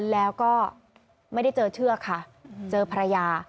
แล้วก็ไม่ได้เจอเชือกค่ะเจอภรรยา